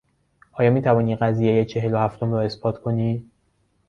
آیا میتوانی قضیهی چهل و هفتم را اثبات کنی؟